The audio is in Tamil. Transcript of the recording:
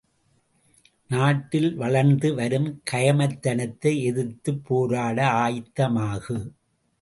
நாட்டில் வளர்ந்து வரும் கயமைத்தனத்தை எதிர்த்துப் போராட ஆயத்தமாகு!